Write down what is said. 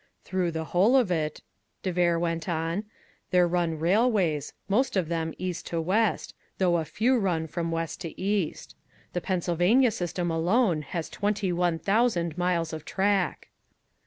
"Through the whole of it," de Vere went on, "there run railways, most of them from east to west, though a few run from west to east. The Pennsylvania system alone has twenty one thousand miles of track."